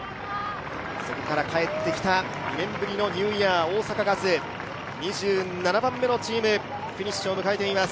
そこから帰ってきた２年ぶりのニューイヤー、大阪ガス、２７番目のチーム、フィニッシュを迎えています。